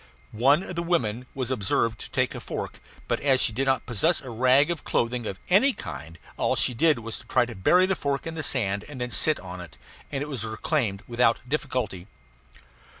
One of the women was observed to take a fork; but as she did not possess a rag of clothing of any kind all she did do was to try to bury the fork in the sand and then sit on it; and it was reclaimed without difficulty.